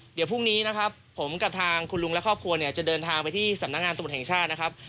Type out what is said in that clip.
เดี๋ยวพรุ่งนี้นะครับผมกับทางคุณลุงและครอบครัวเนี่ยจะเดินทางไปที่สำนักงานตำรวจแห่งชาตินะครับ